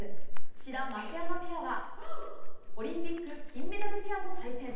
志田、松山ペアはオリンピック金メダルペアと対戦。